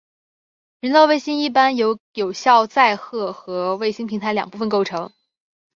人造卫星一般由有效载荷和卫星平台两部分构成。